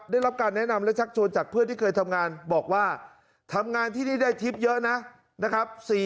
ได้รับการแนะนำและชักชวนจากเพื่อนที่เคยทำงานบอกว่าทำงานที่นี่ได้ทริปเยอะนะครับ